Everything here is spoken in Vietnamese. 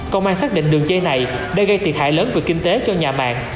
công an xác định đường dây này đã gây thiệt hại lớn về kinh tế cho nhà mạng